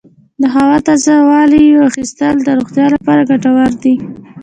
د هوا تازه والي اخیستل د روغتیا لپاره ګټور دي.